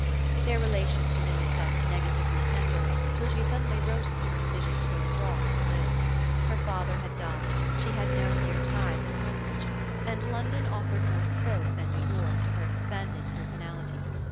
Their relations remained thus negatively tender till she suddenly wrote him of her decision to go abroad to live. Her father had died, she had no near ties in Hillbridge, and London offered more scope than New York to her expanding personality.